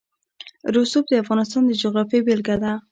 رسوب د افغانستان د جغرافیې بېلګه ده.